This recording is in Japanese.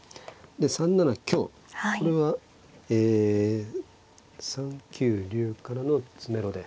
で３七香これはえ３九竜からの詰めろで。